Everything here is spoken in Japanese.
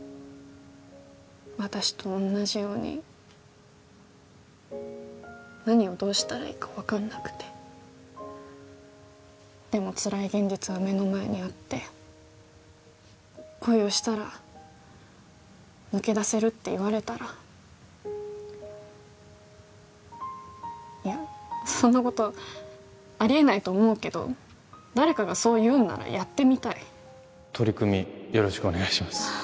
私と同じように何をどうしたらいいか分かんなくてでもつらい現実は目の前にあって恋をしたら抜け出せるって言われたらいやそんなことありえないと思うけど誰かがそう言うんならやってみたい取り組みよろしくお願いします